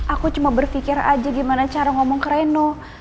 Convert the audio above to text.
aku cuma berpikir aja gimana cara ngomong ke reno